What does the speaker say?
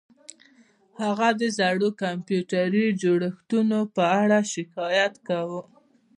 هغه د زړو کمپیوټري جوړښتونو په اړه شکایت کاوه